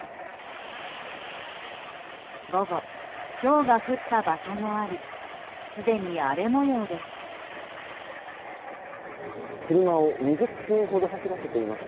午後、ひょうが降った場所もありすでに荒れ模様です。